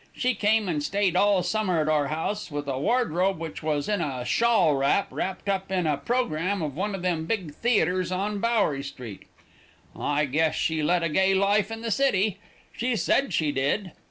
She came and stayed all summer at our house, with a wardrobe which was in a shawl strap wrapped up in a programme of one of them big theaters on Bowery street. I guess she led a gay life in the city. She said she did.